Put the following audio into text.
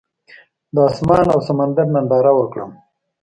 د اسمان او سمندر ننداره وکړم.